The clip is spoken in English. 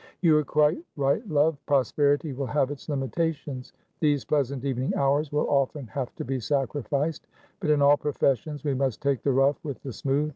"You are quite right, love; prosperity will have its limitations; these pleasant evening hours will often have to be sacrificed. But in all professions we must take the rough with the smooth.